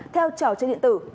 theo trò chơi điện tử